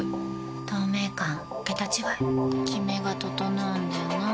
透明感桁違いキメが整うんだよな。